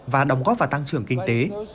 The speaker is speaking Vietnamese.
và đóng góp vào tăng trưởng kinh tế